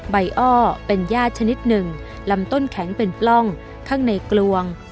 อ้อเป็นญาติชนิดหนึ่งลำต้นแข็งเป็นปล้องข้างในกลวง